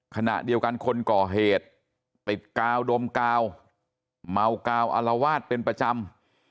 ขณะเดียวกันคนก่อเหตุติดกาวดมกาวเมากาวอารวาสเป็นประจำ